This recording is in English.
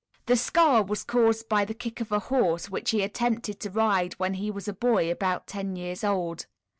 The scar was caused by the kick of a horse which he attempted to ride when he was a boy about ten years old.